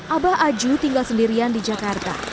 abah aju tinggal sendirian di jakarta